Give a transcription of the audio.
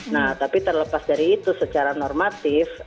nah tapi terlepas dari itu secara normatif